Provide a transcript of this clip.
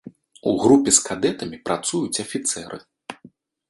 У групе з кадэтамі працуюць афіцэры.